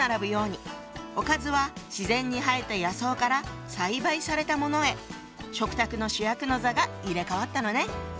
おかずは自然に生えた野草から栽培されたものへ食卓の主役の座が入れ代わったのね。